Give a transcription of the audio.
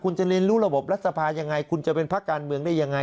คุณจะเรียนรู้ระบบรัฐสภายังไงคุณจะเป็นภาคการเมืองได้ยังไง